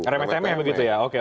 remit remit begitu ya oke oke